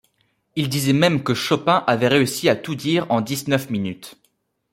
Il disait même que Chopin avait réussi à tout dire en dix-neuf minutes.